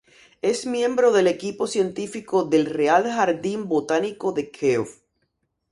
Es miembro del equipo científico del Real Jardín Botánico de Kew.